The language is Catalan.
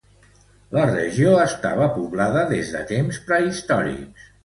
La regió estava poblada des de temps prehistòrics.